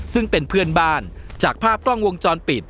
ซึ่งเป็นเพื่อนบ้านจากภาพกล้องวงจรปิด